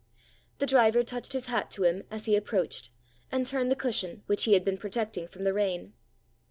The driver touched his hat to him as he approached, and turned the cushion, which he had been protecting from the rain.